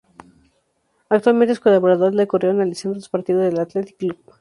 Actualmente es colaborador de El Correo analizando los partidos del Athletic Club.